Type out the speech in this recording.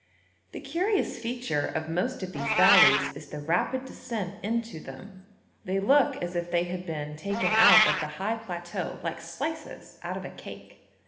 The curious feature of most of these valleys is the rapid descent into them; they look as if they had been taken out of the high plateau like slices out of a cake.